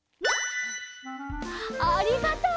ありがとう！